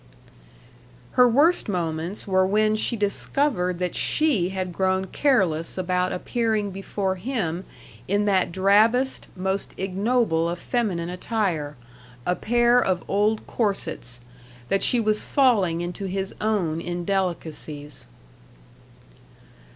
Her worst moments were when she discovered that she had grown careless about appearing before him in that drabbest, most ignoble of feminine attire a pair of old corsets; that she was falling into his own indelicacies.